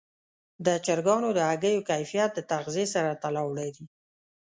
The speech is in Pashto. د چرګانو د هګیو کیفیت د تغذیې سره تړاو لري.